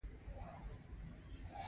مزد د هغه کار بیه ده چې کارګر یې ترسره کوي